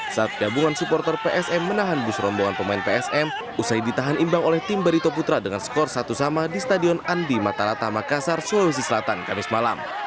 saat gabungan supporter psm menahan bus rombongan pemain psm usai ditahan imbang oleh tim barito putra dengan skor satu sama di stadion andi matalata makassar sulawesi selatan kamis malam